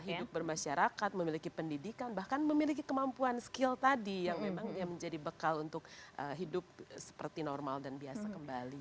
hidup bermasyarakat memiliki pendidikan bahkan memiliki kemampuan skill tadi yang memang menjadi bekal untuk hidup seperti normal dan biasa kembali